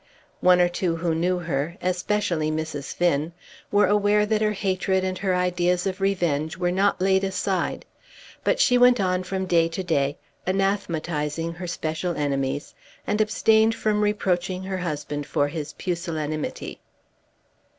One or two who knew her, especially Mrs. Finn, were aware that her hatred and her ideas of revenge were not laid aside; but she went on from day to day anathematizing her special enemies and abstained from reproaching her husband for his pusillanimity.